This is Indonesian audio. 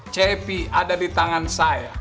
cepi ada di tangan saya